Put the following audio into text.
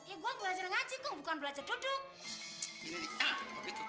iya gua belajar ngaji kong bukan belajar duduk